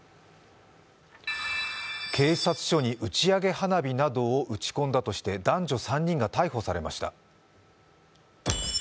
警察署に打ち上げ花火などを打ち込んだとして男女３人が逮捕されました。